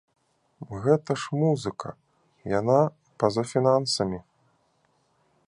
Гэта ж музыка, яна па-за фінансамі.